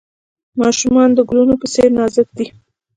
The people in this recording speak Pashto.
ماشومان د ګلونو په څیر نازک دي.